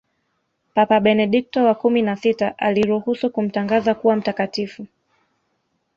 Papa Benedikto wa kumi na sita aliruhusu kumtangaza kuwa mtakatifu